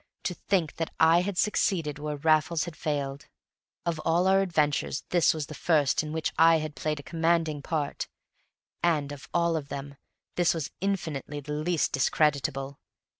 To think that I had succeeded where Raffles had failed! Of all our adventures this was the first in which I had played a commanding part; and, of them all, this was infinitely the least discreditable.